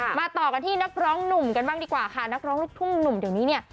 มาต่อกันที่นักร้องหนุ่มกันบ้างดีกว่าค่ะนักร้องลูกทุ่งหนุ่มเดี๋ยวนี้เนี่ย